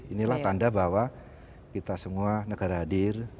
inilah tanda bahwa kita semua negara hadir